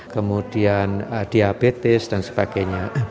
kemudian diabetes dan sebagainya